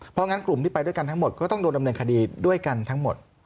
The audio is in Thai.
เพราะงั้นกลุ่มที่ไปด้วยกันทั้งหมดก็ต้องโดนดำเนินคดีด้วยกันทั้งหมด